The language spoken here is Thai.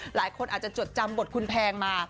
หลายคนอาจจะจดจำบทคุณแพงมา